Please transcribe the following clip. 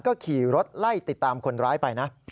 ก็ขี่รถไล่ติดตามคนร้ายไปนะ